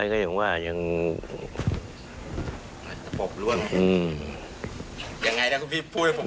กระโดบอะไรก็อย่างว่ายังปบร่วมอืมยังไงนะครับพี่พูดให้ผม